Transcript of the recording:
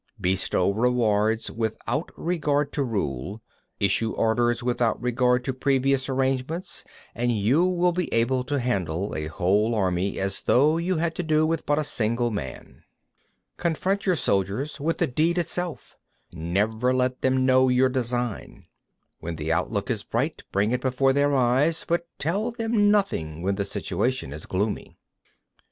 56. Bestow rewards without regard to rule, issue orders without regard to previous arrangements; and you will be able to handle a whole army as though you had to do with but a single man. 57. Confront your soldiers with the deed itself; never let them know your design. When the outlook is bright, bring it before their eyes; but tell them nothing when the situation is gloomy.